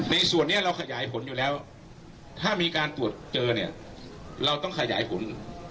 ในส่วนนี้เราขยายผลอยู่แล้วถ้ามีการตรวจเจอเนี่ยเราต้องขยายผล